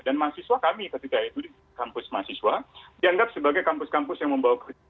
dan mahasiswa kami ketika itu di kampus mahasiswa dianggap sebagai kampus kampus yang membawa kerja